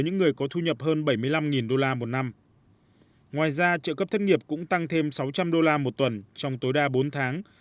ngoài ra trợ cấp thất nghiệp cũng tăng thêm sáu trăm linh đô la một tuần trong tối đa bốn tháng